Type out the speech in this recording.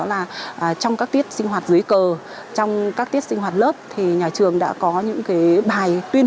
là trong các tiết sinh hoạt dưới cờ trong các tiết sinh hoạt lớp thì nhà trường đã có những cái bài tuyên